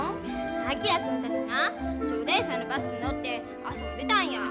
昭君たちな正太夫さんのバスに乗って遊んでたんや。